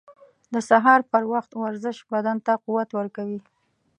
• د سهار پر وخت ورزش بدن ته قوت ورکوي.